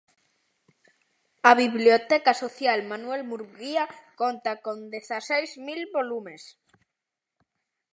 A biblioteca social Manuel Murguía conta con dezaseis mil volumes.